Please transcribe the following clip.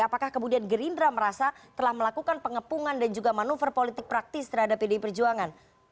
apakah kemudian gerindra merasa telah melakukan pengepungan dan juga manuver politik praktis terhadap pdi perjuangan